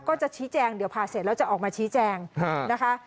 ก็จะชี้แจงเดี๋ยวผ่าเสร็จแล้วจะออกมาชี้แจงนะคะ